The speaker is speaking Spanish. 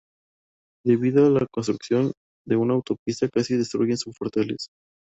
Debido a la construcción de una autopista casi destruyen su fortaleza.